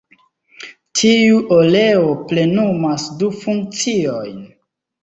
Tiu oleo plenumas du funkciojn.